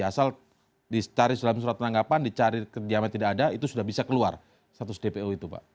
asal dicari dalam surat penangkapan dicari kediaman tidak ada itu sudah bisa keluar status dpo itu pak